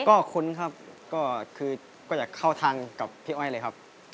ก็คุ้นครับก็คือก็อยากเข้าทางกับพี่อ้อยเลยครับ